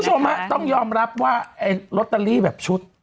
ท่านผู้ชมต้องยอมรับว่าลอตเตอรี่แบบชุด